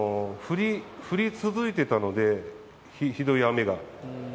降り続いてたので、ひどい雨が。